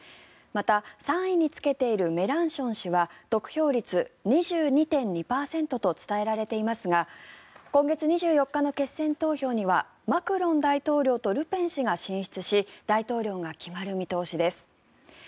また、３位につけているメランション氏は得票率２２．２％と伝えられていますが今月２４日の決選投票にはマクロン大統領とルペン氏が進出し大統領が決まる見通しです。